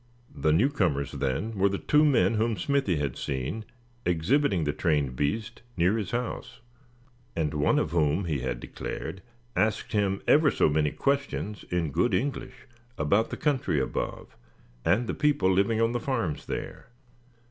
The newcomers then, were the two men whom Smithy had seen exhibiting the trained beast near his house, and one of whom he had declared asked him ever so many questions in good English about the country above, and the people living on the farms there.